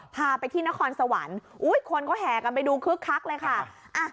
พาไปที่นครสวรรค์คนก็แห่กันไปดูคึกคักเลยค่ะ